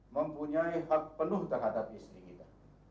mempunyai hak penuh terhadap istri kita